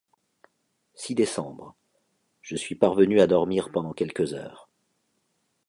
six décembre. — Je suis parvenu à dormir pendant quelques heures.